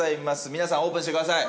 皆さんオープンしてください。